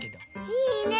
いいね！